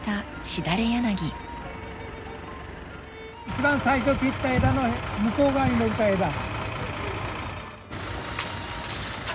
一番最初切った枝の向こう側に伸びた枝。